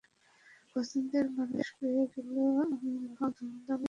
পছন্দের মানুষ পেয়ে গেলে আমি মহা ধুমধামে বিয়ের আনুষ্ঠানিকতা সম্পন্ন করব।